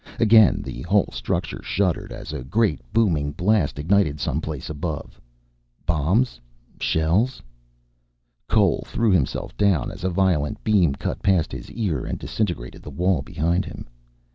Again the whole structure shuddered as a great booming blast ignited some place above. Bombs? Shells? Cole threw himself down as a violet beam cut past his ear and disintegrated the wall behind him.